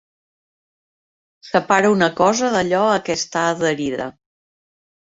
Separa una cosa d'allò a què està adherida.